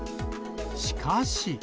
しかし。